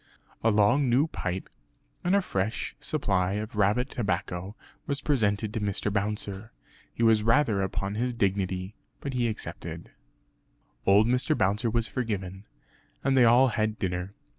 A long new pipe and a fresh supply of rabbit tobacco was presented to Mr. Bouncer. He was rather upon his dignity; but he accepted. Old Mr. Bouncer was forgiven, and they all had dinner.